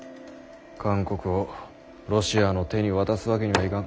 韓国をロシアの手に渡すわけにはいかん。